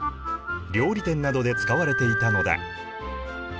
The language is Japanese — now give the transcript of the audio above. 料理店などで使われていたのだ。